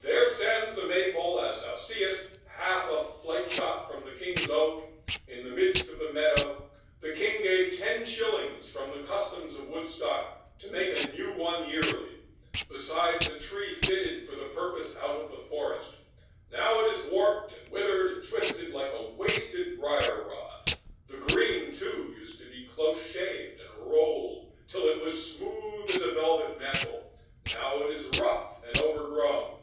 There stands the Maypole, as thou seest, half a flight shot from the King's Oak, in the midst of the meadow. The King gave ten shillings from the customs of Woodstock to make a new one yearly, besides a tree fitted for the purpose out of the forest. Now it is warped, and withered, and twisted, like a wasted brier rod. The green, too, used to be close shaved, and rolled till it was smooth as a velvet mantle—now it is rough and overgrown."